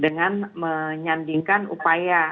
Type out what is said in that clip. dengan menyandingkan upaya